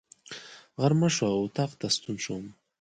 غرمه شوه، اطاق ته ستون شوم.